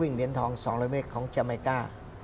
เหรียญทอง๒๐๐เมตรของจาไมก้า